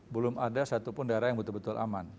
belum ada satupun daerah yang betul betul aman